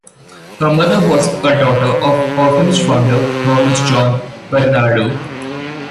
Her mother was a daughter of orphanage founder Thomas John Barnardo.